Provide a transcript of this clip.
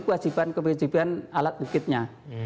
kewajiban kewajiban alat bukitnya